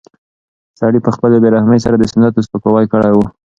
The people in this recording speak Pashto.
سړي په خپلې بې رحمۍ سره د سنتو سپکاوی کړی و.